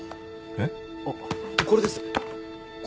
えっ？